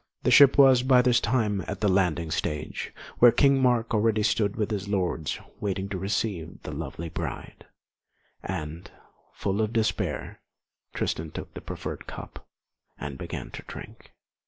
The ship was by this time at the landing stage, where King Mark already stood with his lords, waiting to receive the lovely bride; and, full of despair, Tristan took the proffered cup and began to drink.